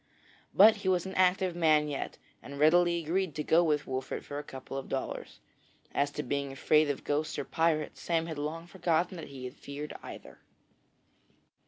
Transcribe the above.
But, he was an active man yet, and readily agreed to go with Wolfert for a couple of dollars. As to being afraid of ghosts or pirates, Sam had long forgotten that he had feared either.